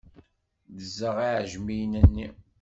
Ddzeɣ iɛejmiyen-nni.